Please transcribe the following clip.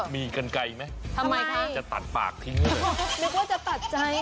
มีกันไกลไหมจะตัดปากทิ้งเลยทำไมคิดว่าจะตัดใจ